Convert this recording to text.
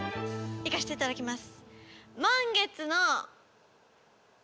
いかしていただきます。